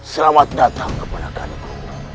selamat datang kembalikan ku